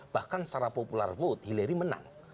bahkan secara popular vote hillary menang